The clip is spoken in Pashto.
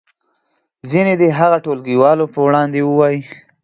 ځینې دې هغه ټولګیوالو په وړاندې ووایي.